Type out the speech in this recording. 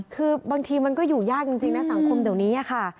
คือบางทีมันก็อยู่ยากจริงนะสังคมเดี๋ยวนี้ค่ะ